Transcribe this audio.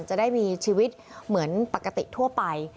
จะได้มีชีวิตเหมือนปกติทั่วไป